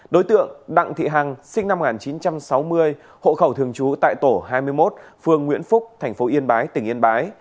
đối tượng đặng thị hằng sinh năm một nghìn chín trăm sáu mươi hộ khẩu thường trú tại tổ hai mươi một phường nguyễn phúc tp yên bái tỉnh yên bái